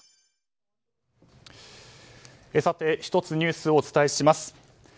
１つニュースをお伝えします。